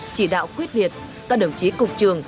chỉ đạo quyết liệt các đồng chí cục trường